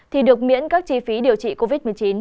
thì được miễn các chi phí điều trị covid một mươi chín